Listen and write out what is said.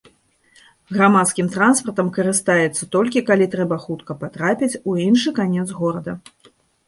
Грамадскім транспартам карыстаецца толькі калі трэба хутка патрапіць у іншы канец горада.